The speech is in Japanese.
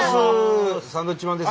サンドウィッチマンです。